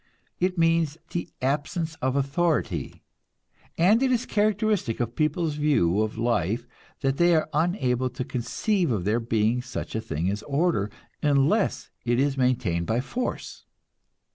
It means the absence of authority; and it is characteristic of people's view of life that they are unable to conceive of there being such a thing as order, unless it is maintained by force.